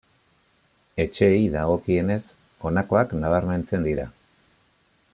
Etxeei dagokienez, honakoak nabarmentzen dira.